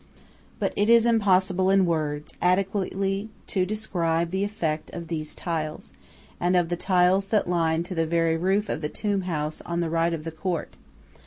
But it is impossible in words adequately to describe the effect of these tiles, and of the tiles that line to the very roof the tomb house on the right of the court.